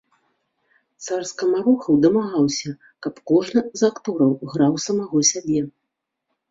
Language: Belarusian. Цар скамарохаў дамагаўся, каб кожны з актораў граў самога сябе.